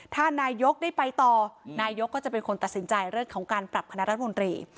ถ้านายกได้ไปต่อนายกก็จะเป็นคนตัดสินใจเรื่องของการปรับคณะรัฐมนตรี